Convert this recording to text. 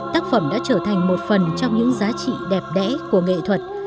tác phẩm đã trở thành một phần trong những giá trị đẹp đẽ của nghệ thuật